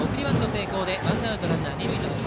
成功でワンアウトランナー、二塁。